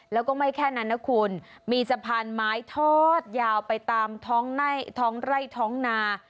แล้วก็ไม่แค่นั้นนะคุณมีสะพานไม้ทอดยาวไปตามท้องไร่ท้องนา